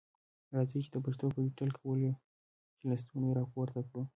راځئ چي د پښتو په ډيجيټل کولو کي لستوڼي را پورته کړو.